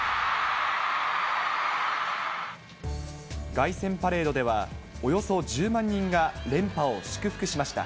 凱旋パレードでは、およそ１０万人が連覇を祝福しました。